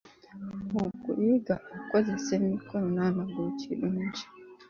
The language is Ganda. Okuyiga okukozesa emikono n’amagulu kirungi.